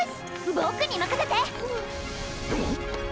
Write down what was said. ボクに任せて！